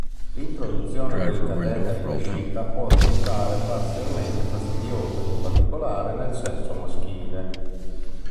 L'introduzione del catetere in vescica può risultare parzialmente fastidiosa, in particolare nel sesso maschile.